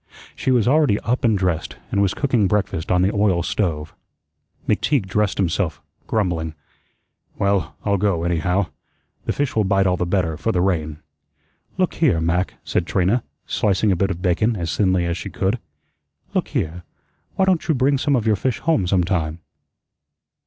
She was already up and dressed, and was cooking breakfast on the oil stove. McTeague dressed himself, grumbling, "Well, I'll go, anyhow. The fish will bite all the better for the rain." "Look here, Mac," said Trina, slicing a bit of bacon as thinly as she could. "Look here, why don't you bring some of your fish home sometime?"